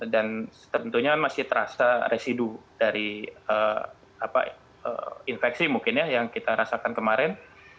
dan tentunya masih terasa residu dari infeksi mungkin ya yang kita rasakan kemarin